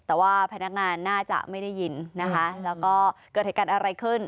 แต่ว่าพนักงานน่าจะไม่ได้ยินนะคะแล้วก็เกิดเหตุการณ์อะไรขึ้น